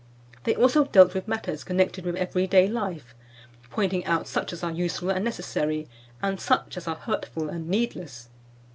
They also dealt with matters connected with every day life, pointing out such as are useful and necessary, and such as are hurtful and needless.